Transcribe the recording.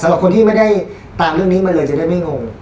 สำหรับคนที่ไม่ได้ตามเรื่องนี้มาเลยจะได้ไม่งง